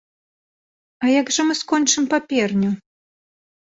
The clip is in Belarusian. А як жа мы скончым паперню?